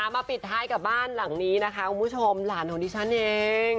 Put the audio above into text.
ปิดท้ายกับบ้านหลังนี้นะคะคุณผู้ชมหลานของดิฉันเอง